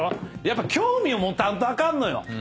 やっぱ興味を持たんとあかんのよ。